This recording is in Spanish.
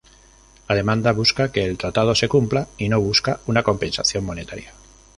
La demanda busca que el tratado se cumpla y no busca una compensación monetaria.